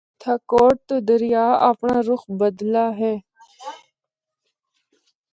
تھاکوٹ تو دریا اپنڑا رُخ بدلا ہے۔